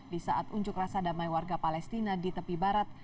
di saat unjuk rasa damai warga palestina di tepi barat